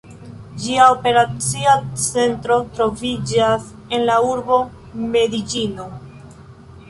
Ĝia operacia centro troviĝas en la urbo Medeĝino.